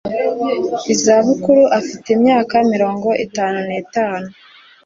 izabukuru afite imyaka mirongo itanu n itanu